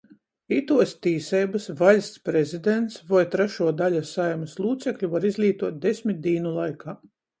Ituos tīseibys Vaļsts Prezidents voi trešuo daļa Saeimys lūcekļu var izlītuot desmit dīnu laikā,